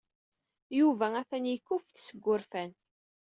Yuba atan yekkuffet seg wurfan.